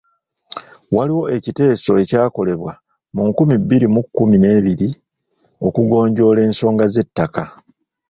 Waliwo ekiteeso ekyakolebwa mu nkumi bbiri mu kkumi n'ebiri okugonjoola ensonga z'ettaka.